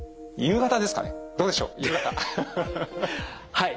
はい。